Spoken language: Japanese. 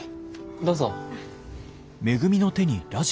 どうぞ。